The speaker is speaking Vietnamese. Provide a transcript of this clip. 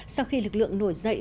sau khi lực lượng nổi dậy